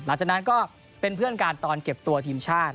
หลังจากนั้นก็เป็นเพื่อนกันตอนเก็บตัวทีมชาติ